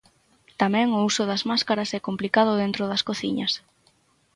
Tamén o uso das máscaras é complicado dentro das cociñas.